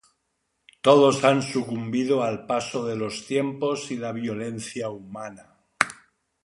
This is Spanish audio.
Todos han sucumbido al paso de los tiempos y la violencia humana.